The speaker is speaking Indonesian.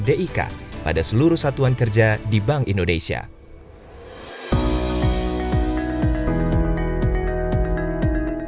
pertama pengaduan layanan publik yang dikemas dalam bentuk aplikasi lapor